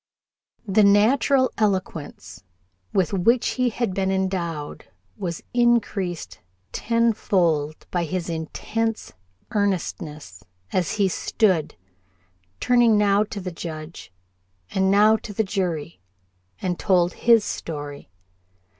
The natural eloquence with which he had been endowed was increased tenfold by his intense earnestness as he stood, turning now to the Judge and now to the jury, and told his story.